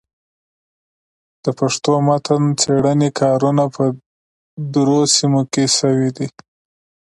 د پښتو متن څېړني کارونه په درو سيمو کي سوي دي.